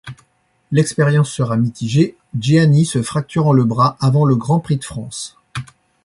L'expérience sera mitigée, Gianni se fracturant le bras avant le Grand Prix de France.